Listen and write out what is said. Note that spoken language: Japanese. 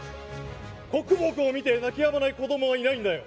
コック帽くんを見て泣きやまない子どもはいないんだよ。